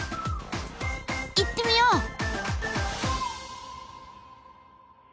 行ってみよう！